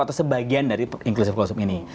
atau sebagian dari inclusive closed loop ini